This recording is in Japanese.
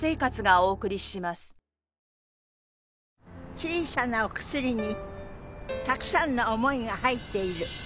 小さなお薬にたくさんの想いが入っている。